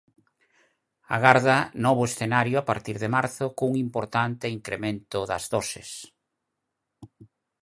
Agarda novo escenario a partir de marzo cun importante incremento das doses.